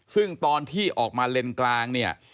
ซึ่งตอนที่ออกมาเลนกลางเนี่ย